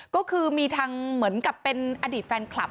ก็คือมีทางเหมือนกับเป็นอดีตแฟนคลับ